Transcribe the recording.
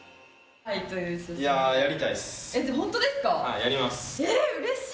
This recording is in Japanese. はい。